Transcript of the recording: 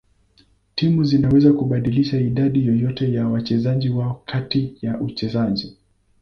Timu zinaweza kubadilisha idadi yoyote ya wachezaji wao kati ya uchezaji.